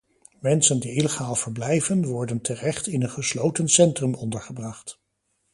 Mensen die illegaal verblijven, worden terecht in een gesloten centrum ondergebracht.